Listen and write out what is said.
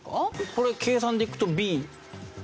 これ計算でいくとＢ。